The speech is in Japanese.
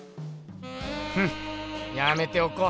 フッやめておこう。